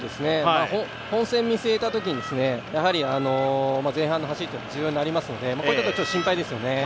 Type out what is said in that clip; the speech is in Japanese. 本選を見据えたときに、前半の走りは重要になりますのでここはちょっと心配ですよね。